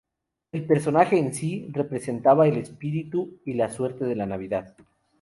El personaje en sí representaba el espíritu y la suerte de la Navidad.